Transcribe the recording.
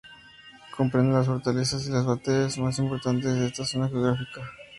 Comprende las fortalezas y las batallas más importantes de esta zona geográfica.